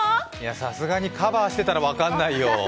さすがにカバーしてたら分かんないよ。